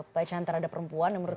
pelecehan terhadap perempuan